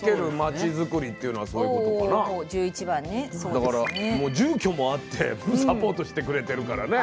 だからもう住居もあってサポートしてくれてるからね。